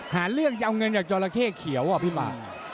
หาเรื่องจะเอาเงินจากจอราเข้เขียวอ่ะพี่ปาก